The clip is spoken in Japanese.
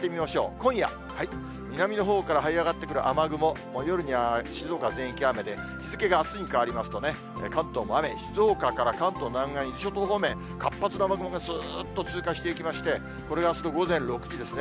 今夜、南のほうからはい上がってくる雨雲、夜には静岡全域雨で、日付があすに変わりますと、関東も雨、静岡から関東南岸、伊豆諸島方面、活発な雨雲がすーっと通過していきまして、これがあすの午前６時ですね。